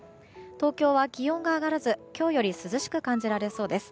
東京は気温が上がらず、今日より涼しく感じられそうです。